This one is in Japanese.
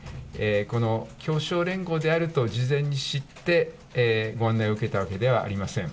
この共勝連合であると事前に知って、ご案内を受けたわけではありません。